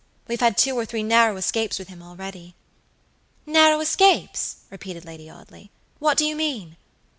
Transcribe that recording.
We've had two or three narrow escapes with him already." "Narrow escapes!" repeated Lady Audley. "What do you mean?"